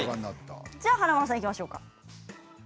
華丸さんいきましょうか。